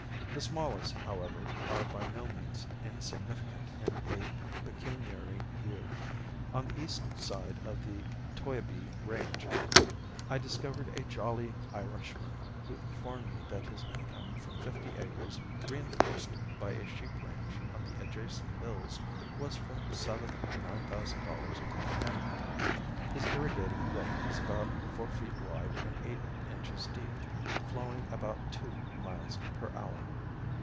The smallest, however, are by no means insignificant in a pecuniary view. On the east side of the Toyabe Range I discovered a jolly Irishman who informed me that his income from fifty acres, reinforced by a sheep range on the adjacent hills, was from seven to nine thousand dollars per annum. His irrigating brook is about four feet wide and eight inches deep, flowing about two miles per hour.